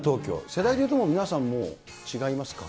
世代でいうと、皆さんもう違いますか。